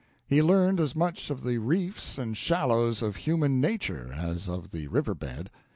He learned as much of the reefs and shallows of human nature as of the river bed.